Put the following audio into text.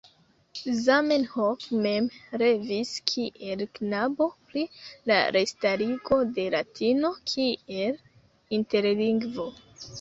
Zamenhof mem revis kiel knabo pri la restarigo de latino kiel interlingvo.